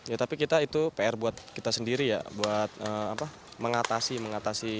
ya tapi kita itu pr buat kita sendiri ya buat mengatasi mengatasi